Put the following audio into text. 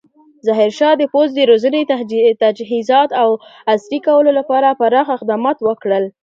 ظاهرشاه د پوځ د روزنې، تجهیزات او عصري کولو لپاره پراخ اقدامات وکړل.